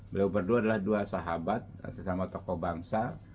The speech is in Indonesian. beliau berdua adalah dua sahabat sesama tokoh bangsa